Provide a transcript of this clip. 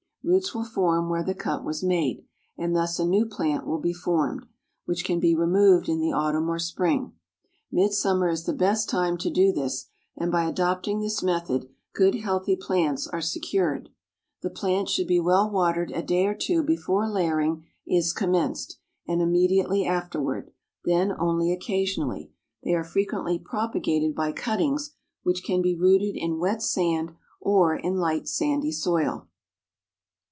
Roots will form where the cut was made, and thus a new plant will be formed, which can be removed in the autumn or spring. Midsummer is the best time to do this, and by adopting this method good, healthy plants are secured. The plants should be well watered a day or two before layering is commenced, and immediately afterward then only occasionally. They are frequently propagated by cuttings, which can be rooted in wet sand, or in light sandy soil.